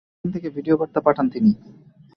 তাই সেখান থেকে ভিডিও বার্তা পাঠান তিনি।